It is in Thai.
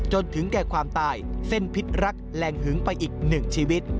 จนถึงแก่ความตายเส้นพิษรักแรงหึงไปอีกหนึ่งชีวิต